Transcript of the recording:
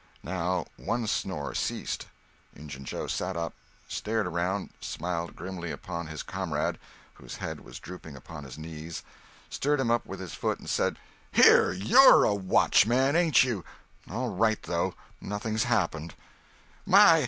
Now one snore ceased. Injun Joe sat up, stared around—smiled grimly upon his comrade, whose head was drooping upon his knees—stirred him up with his foot and said: "Here! You're a watchman, ain't you! All right, though—nothing's happened." "My!